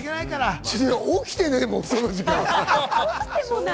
いや、起きてないもん、その時間。